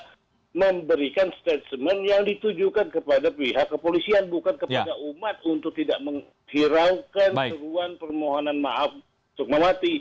saya memberikan statement yang ditujukan kepada pihak kepolisian bukan kepada umat untuk tidak menghiraukan seruan permohonan maaf sukmawati